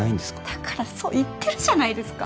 だからそう言ってるじゃないですか